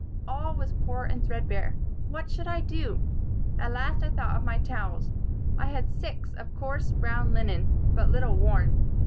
All was poor and thread bare. What should I do? At last I thought of my towels. I had six, of coarse brown linen, but little worn.